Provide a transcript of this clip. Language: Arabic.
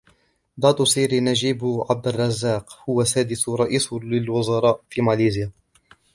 داتو سيري نجيب عبد الرزاق هو سادس رئيس للوزراء في ماليزيا.